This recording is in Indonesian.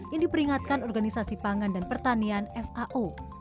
yang diperingatkan organisasi pangan dan pertanian fao